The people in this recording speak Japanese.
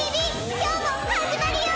今日も始まるよ！